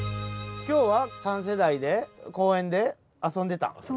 今日は３世代で公園で遊んでたん？